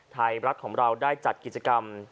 ไทยรัฐของเราได้จัดกิจกรรม